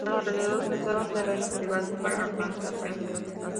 Al alrededor se observa terrenos privados para plantación.